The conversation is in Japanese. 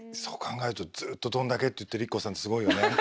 そう考えるとずっと「どんだけ」って言ってるＩＫＫＯさんってすごいよね。